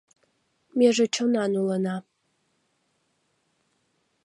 Меже чонан улына